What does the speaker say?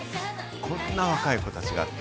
こんな若い子たちが。